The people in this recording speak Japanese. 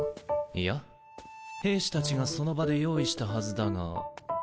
いや兵士たちがその場で用意したはずだが。